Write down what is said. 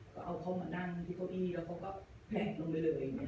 ก็เอาเขามันนั่งที่ครองอี้แล้วก็แพ้กลงไปเลย